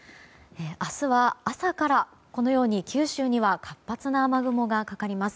明日は朝から、九州には活発な雨雲かかります。